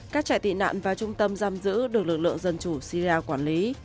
các trại tị nạn và trung tâm giam giữ được lực lượng dân chủ siria quản lý